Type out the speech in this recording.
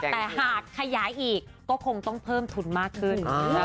แต่หากขยายอีกก็คงต้องเพิ่มทุนมากขึ้น